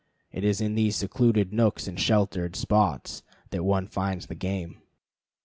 It is in these secluded nooks and sheltered spots that one finds the game.